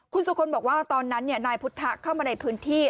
คุณสุคลบอกว่าตอนนั้นนายพุทธเข้ามาในพื้นที่